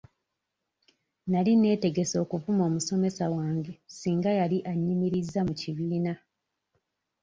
Nali neetegese okuvuma omusomesa wange singa yali annyimirizza mu kibiina.